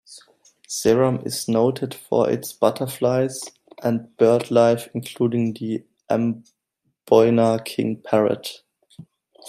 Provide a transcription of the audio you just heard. Seram is noted for its butterflies and birdlife including the Amboina king parrot.